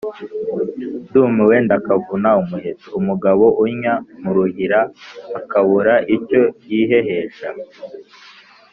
Ndumiwe ndakavuna umuheto.-Umugaho unnya mu ruhira akabura icyo yihehesha.